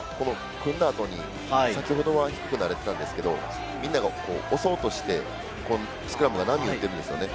組んだ後に先ほどは低くなれていたんですが、みんなが押そうとしてスクラムが波になってるんですね。